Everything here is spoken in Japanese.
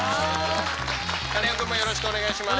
カネオくんもよろしくお願いします。